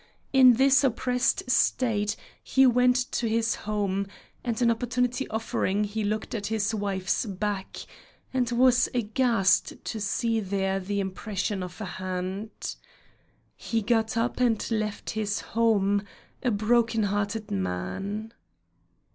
In this oppressed state he went to his home, and an opportunity offering he looked at his wife's back, and was aghast to see there the impression of a hand. He got up and left his home, a broken hearted man.